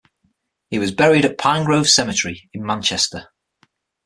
He was buried at Pine Grove Cemetery in Manchester.